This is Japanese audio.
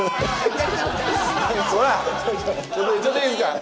ちょっといいっすか？